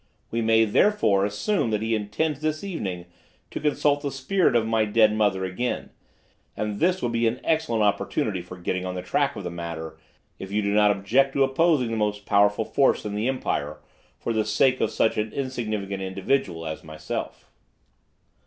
We may, therefore, assume that he intends this evening to consult the spirit of my dead mother again, and this would be an excellent opportunity for getting on the track of the matter, if you do not object to opposing the most powerful force in the Empire, for the sake of such an insignificant individual as myself."